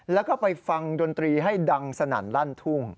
แล้วก็ไปฟังดนตรีให้ดังสนั่นลั่นทุ่ง